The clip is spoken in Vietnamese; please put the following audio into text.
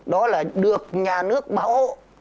đó là được nhà nước bảo hộ